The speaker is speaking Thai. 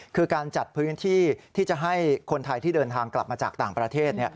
คือการจัดพื้นที่ที่จะให้คนไทยที่เดินทางกลับมาจากต่างประเทศ